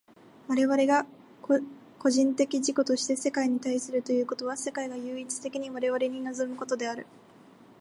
我々が個人的自己として世界に対するということは、世界が唯一的に我々に臨むことである。